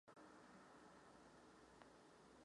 Proto jsme svědky dramatické situace.